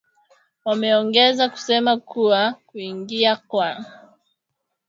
Wameongeza kusema kuwa kuingia kwa